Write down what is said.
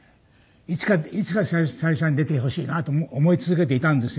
いつか小百合さんに出てほしいなと思い続けていたんですよ